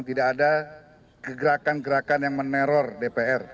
tidak ada kegerakan gerakan yang meneror dpr